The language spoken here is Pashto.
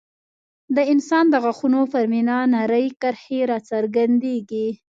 د انسان د غاښونو پر مینا نرۍ کرښې راڅرګندېږي.